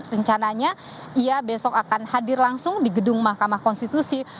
rencananya ia besok akan hadir langsung di gedung mahkamah konstitusi